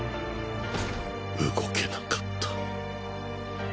動けなかった